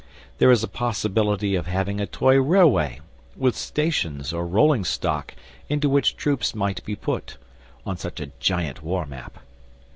There is a possibility of having a toy railway, with stations or rolling stock into which troops might be put, on such a giant war map.